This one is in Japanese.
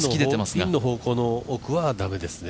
ピンの方向の奥は駄目ですね。